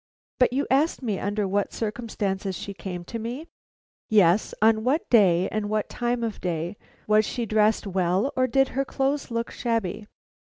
But you asked me under what circumstances she came to me?" "Yes, on what day, and at what time of day? Was she dressed well, or did her clothes look shabby?"